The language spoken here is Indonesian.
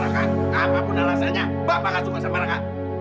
kamu gak boleh pergi sama raka